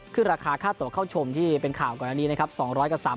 ราคาค่าตัวเข้าชมที่เป็นข่าวก่อนอันนี้นะครับ